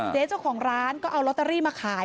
เจ๊เจ้าของร้านก็เอาลอตเตอรี่มาขาย